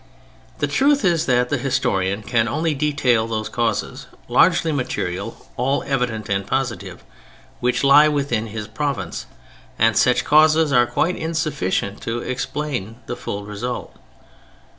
The truth is, that the historian can only detail those causes, largely material, all evident and positive, which lie within his province, and such causes are quite insufficient to explain the full result.